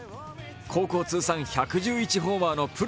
高校通算１１１ホーマーのプロ